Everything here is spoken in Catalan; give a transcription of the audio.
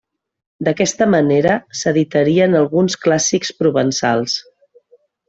D'aquesta manera s'editarien alguns clàssics provençals.